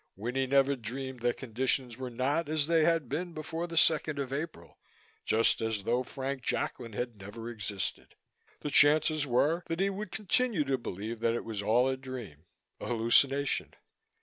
Winnie never dreamed that conditions were not as they had been before the second of April, just as though Frank Jacklin had never existed. The chances were that he would continue to believe that it was all a dream, an hallucination.